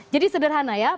jadi sederhana ya